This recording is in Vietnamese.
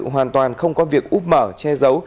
hoàn toàn không có việc úp mở che giấu